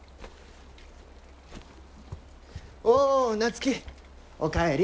おう夏樹お帰り。